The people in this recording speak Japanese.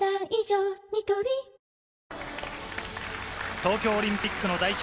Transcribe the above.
東京オリンピックの代表